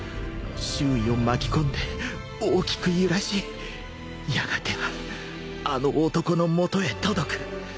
周囲を巻き込んで大きく揺らしやがてはあの男の元へ届く。